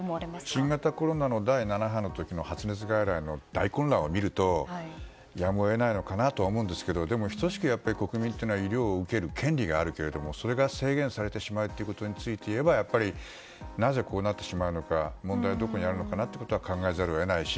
新型コロナの第７波の時の発熱外来の大混乱を見るとやむを得ないのかなと思いますがでも、等しく国民は医療を受ける権利があるけれどもそれが制限されてしまうということについて言えばやっぱりなぜこうなってしまうのか問題はどこにあるのかと考えざるを得ないし